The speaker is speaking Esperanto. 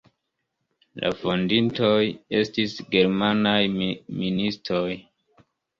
La fondintoj estis germanaj ministoj.